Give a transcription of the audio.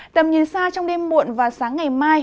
tầm nhìn xa trong đêm muộn và sáng ngày mai